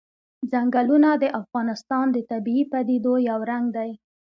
ځنګلونه د افغانستان د طبیعي پدیدو یو رنګ دی.